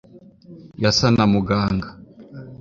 yasa na muganga